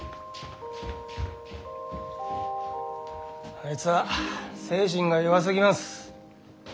あいつは精神が弱すぎます。